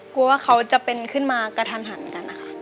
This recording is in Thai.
กลัวว่าเขาจะเป็นขึ้นมากระทันหันเหมือนกันนะคะ